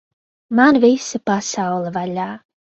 Man visa pasaule vaļā!